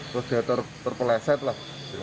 terus dia terpeleset lah